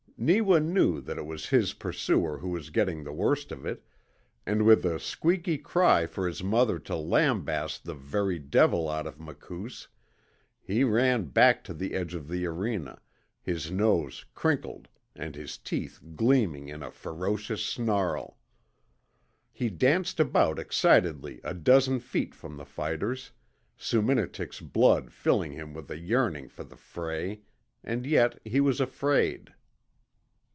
Neewa knew that it was his pursuer who was getting the worst of it, and with a squeaky cry for his mother to lambast the very devil out of Makoos he ran back to the edge of the arena, his nose crinkled and his teeth gleaming in a ferocious snarl. He danced about excitedly a dozen feet from the fighters, Soominitik's blood filling him with a yearning for the fray and yet he was afraid.